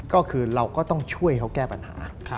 ก็คือเราก็ต้องช่วยเขาแก้ปัญหา